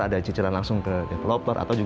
ada cicilan langsung ke developer